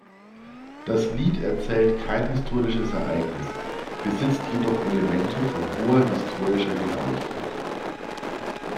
Das Lied erzählt kein historisches Ereignis, besitzt jedoch Elemente von hoher historischer Genauigkeit.